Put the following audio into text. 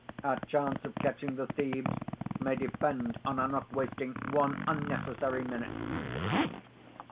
Our chance of catching the thieves may depend on our not wasting one unnecessary minute."